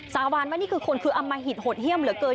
สาบานว่านี่คือคนคืออมหิตโหดเยี่ยมเหลือเกิน